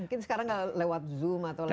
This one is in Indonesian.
mungkin sekarang lewat zoom atau lewat